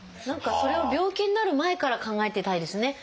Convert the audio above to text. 何かそれを病気になる前から考えていたいですね。